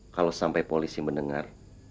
kalau sampai polisi mendengar